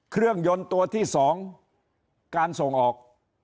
เครื่องยนต์ตัวที่สองการส่งออก